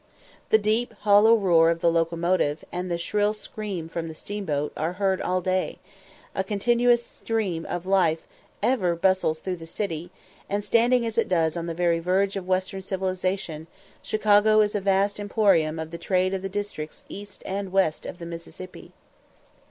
The deep hollow roar of the locomotive, and the shrill scream from the steamboat, are heard here all day; a continuous stream of life ever bustles through the city, and, standing as it does on the very verge of western civilisation, Chicago is a vast emporium of the trade of the districts east and west of the Mississippi.